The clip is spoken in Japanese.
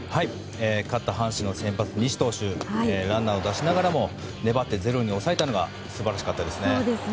勝った阪神の先発、西投手ランナーを出しながらも粘って０に抑えたのが素晴らしかったです。